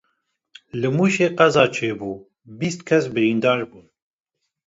Li Mûşê qeza çêbû bîst kes birîndar bûn.